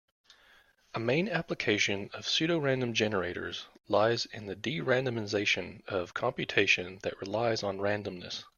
A main application of pseudorandom generators lies in the de-randomization of computation that relies on randomness.